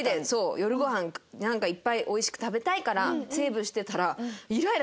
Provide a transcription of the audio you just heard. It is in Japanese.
夜ご飯いっぱいおいしく食べたいからセーブしてたら。